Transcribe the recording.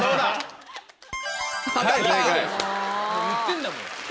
言ってんだもん。